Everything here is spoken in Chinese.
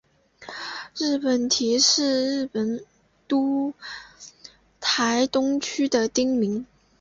日本堤是东京都台东区的町名。